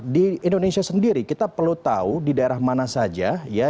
di indonesia sendiri kita perlu tahu di daerah mana saja ya